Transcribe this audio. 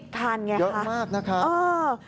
๑๐คันไงครับเยอะมากนะครับอืม